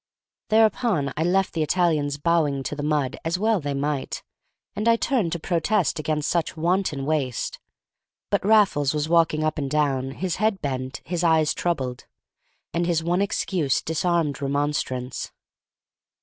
Thereupon I left the Italians bowing to the mud, as well they might, and I turned to protest against such wanton waste. But Raffles was walking up and down, his head bent, his eyes troubled; and his one excuse disarmed remonstrance.